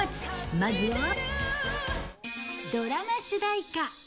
まずは、ドラマ主題歌。